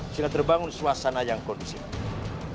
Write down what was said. jika terbangun suasana yang kondisional